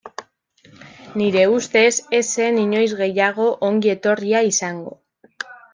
Nire ustez, ez zen inoiz gehiago ongi etorria izango.